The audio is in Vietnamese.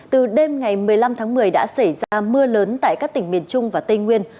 từ đêm ngày một mươi năm tháng một mươi đã xảy ra mưa lớn tại các tỉnh miền trung và tây nguyên